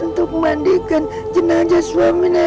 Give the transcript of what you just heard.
untuk mandikan jenazah suami nenek